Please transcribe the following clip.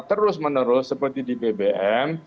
terus menerus seperti di bbm